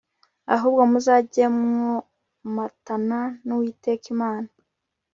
ahubwo muzajye mwomatana n uwiteka imana